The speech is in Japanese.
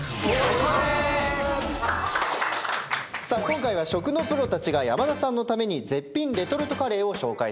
今回は食のプロたちが山田さんのために絶品レトルトカレーを紹介してくれます。